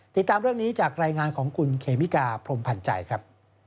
ติดตามเรื่องนี้จากรายงานของคุณเคมิกาพรมพันธ์ใจครับ